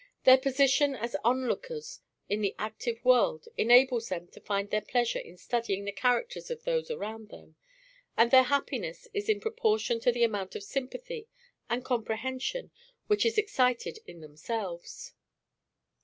Their position as onlookers in the active world enables them to find their pleasure in studying the characters of those around them, and their happiness is in proportion to the amount of sympathy and comprehension which is excited in themselves."